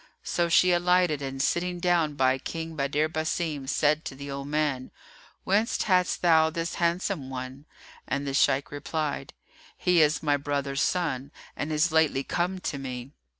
So she alighted and sitting down by King Badr Basim said to the old man, "Whence hadst thou this handsome one?"; and the Shaykh replied, "He is my brother's son, and is lately come to me."